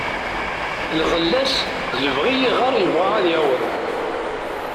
Lɣella-s d lebɣi iɣer yebɣa ad yaweḍ.